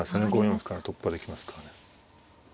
５四歩から突破できますからね。